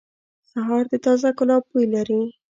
سهار د تازه ګلاب بوی لري.